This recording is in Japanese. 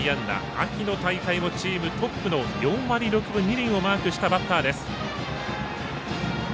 秋の大会もチームトップの４割６分２厘をマークしたバッターです。